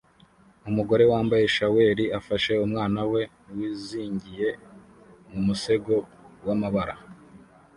Umugore wambaye shaweli afashe umwana we wizingiye mu musego wamabara